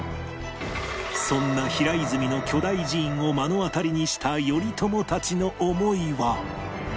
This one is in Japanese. そんな平泉の巨大寺院を目の当たりにした頼朝たちの思いは